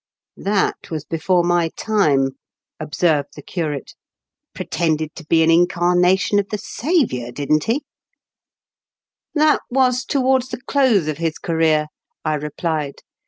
" That was before my time," observed the curate. " Pretended to be an incarnation of the Saviour, didn't he ?" 140 IN KENT WITH CHARLES DICKENS. " That was towards the close of his career," I replied.